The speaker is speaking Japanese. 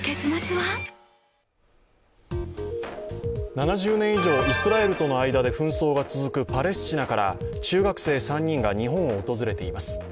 ７０年以上、イスラエルとの間で紛争が続くパレスチナから、中学生３人が日本を訪れています。